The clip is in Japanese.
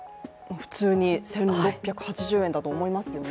普通に１６８０円だと思いますよね。